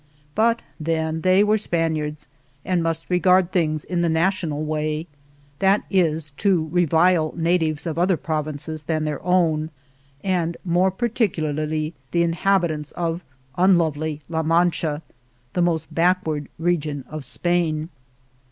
But then they were Spaniards, and must regard things in the national way — that is, to revile natives of other provinces than their own, and more particularly the inhabitants of unlovely La Mancha, the most backward region of Spain.